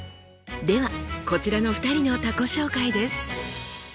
ではこちらの２人の他己紹介です。